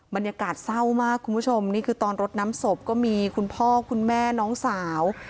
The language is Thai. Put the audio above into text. บรรยากาศเศร้ามากคุณผู้ชมนี่คือตอนรดน้ำศพก็มีคุณพ่อคุณแม่น้องสาว